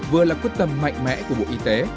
vừa là quyết tâm mạnh mẽ của bộ y tế